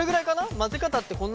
混ぜ方ってこんなもん？